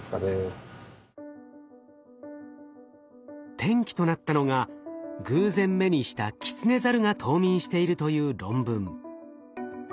転機となったのが偶然目にしたキツネザルが冬眠しているという論文。